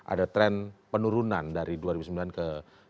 ada tren penurunan dari dua ribu sembilan ke dua ribu dua